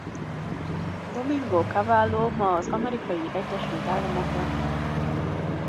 Domingo Cavallo ma az Amerikai Egyesült Államokban él.